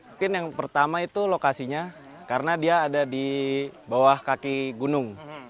mungkin yang pertama itu lokasinya karena dia ada di bawah kaki gunung